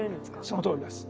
そのとおりです。